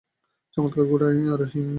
চমৎকার ঘোড়ায় আরোহী।